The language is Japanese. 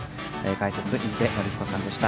解説、印出順彦さんでした。